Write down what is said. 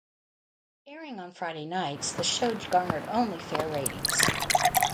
Airing on Friday nights, the show garnered only fair ratings.